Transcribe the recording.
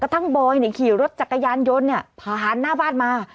ทั้งบอยขี่รถจักรยานยนต์ผ่านหน้าบ้านมา